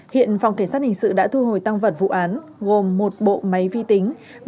hiện phòng kiểm soát hình sự đã thu hồi tăng vật vụ án gồm một bộ máy vi tính